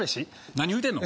何を言うてんの？